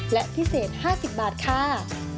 และพิเศษ๕๐บาทค่ะ